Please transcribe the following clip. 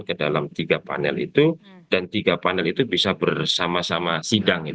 ke dalam tiga panel itu dan tiga panel itu bisa bersama sama sidang